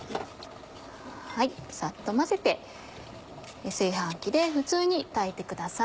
さっと混ぜて炊飯器で普通に炊いてください。